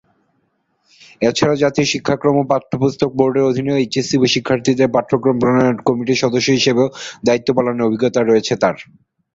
এছাড়া জাতীয় শিক্ষাক্রম ও পাঠ্যপুস্তক বোর্ডের অধীনে এইচএসসি শিক্ষার্থীদের পাঠ্যক্রম প্রণয়ন কমিটির সদস্য হিসেবেও দায়িত্ব পালনের অভিজ্ঞতা রয়েছে তার।